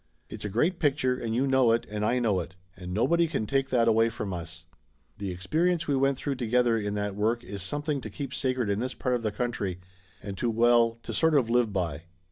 It's a great picture and you know it and I know it, and nobody can take that away from us. The experience we went through together in that work is something to keep sacred in this part of the country, and to well, to sort of live by